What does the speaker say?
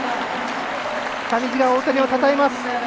上地が大谷をたたえます！